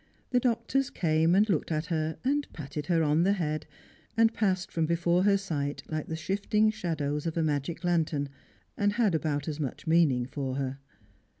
Thj doctors came and looked at her, and patted her on the head, and passed from before her sight like the shifting shadows of a magic lantern, and had about as much meaaing for her.